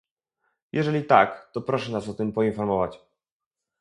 Jeżeli tak, to proszę nas o tym poinformować